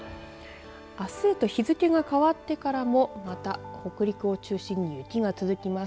あすへと日付が変わってからもまた北陸を中心に雪が続きます。